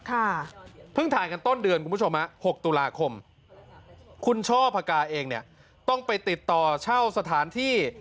ค่ะเพิ่งถ่ายกันต้นเดือนคุณผู้ชมฮะหกตุลาคมคุณช่อพกาเองเนี่ยต้องไปติดต่อเช่าสถานที่